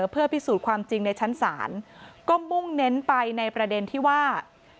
เพื่อพิสูจน์ความจริงในชั้นศาลก็มุ่งเน้นไปในประเด็นที่ว่า